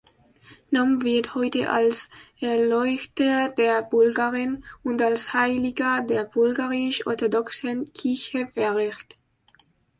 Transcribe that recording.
Naum wird heute als „Erleuchter der Bulgaren“ und als Heiliger der Bulgarisch-Orthodoxen Kirche verehrt.